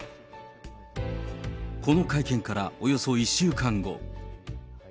この会見からおよそ１週間後。